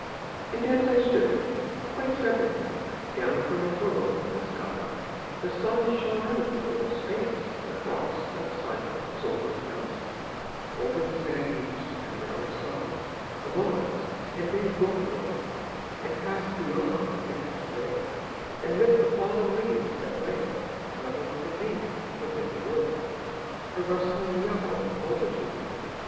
And as I stood, quite suddenly, Down from a furrow in the sky The sun shone out a little space Across that silent sober place, Over the sand heaps and brown sod, The mulleins and dead goldenrod, And passed beyond the thickets gray, And lit the fallen leaves that lay, Level and deep within the wood, A rustling yellow multitude.